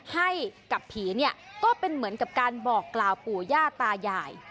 ให้กับผีเนี่ยก็เป็นเหมือนกับการบอกกล่าวปู่ย่าตายาย